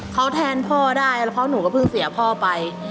เขาแทนพ่อได้แล้วเพราะหนูก็เพิ่งเสียพ่อไป